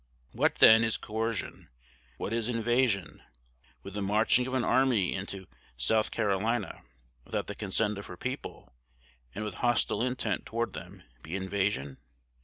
"What, then, is coercion? What is invasion? Would the marching of an army into South Carolina, without the consent of her people, and with hostile intent toward them, be invasion?